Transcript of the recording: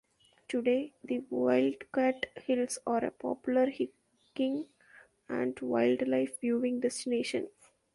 Today, the Wildcat Hills are a popular hiking and wildlife viewing destination.